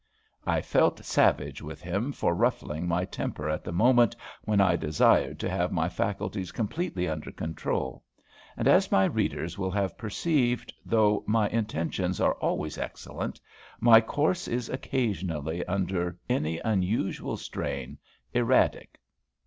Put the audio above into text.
I felt savage with him for ruffling my temper at the moment when I desired to have my faculties completely under control; and as my readers will have perceived, though my intentions are always excellent, my course is occasionally, under any unusual strain, erratic.